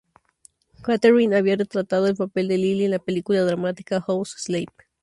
Kathryn había retratado el papel de 'Lily' en la película dramática "House Slave".